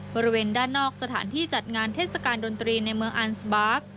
บริเวณด้านนอกสถานที่จัดงานเทศกาลดนตรีในเมืองอันสบาร์ก